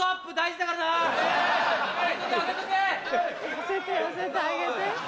寄せて寄せて上げて。